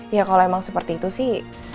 ya kalau emang seperti itu sih